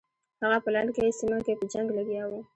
هغه په لنډکي سیمه کې په جنګ لګیا وو.